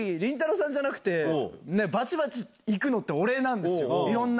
さんじゃなくて、ばちばちいくのって俺なんですよ。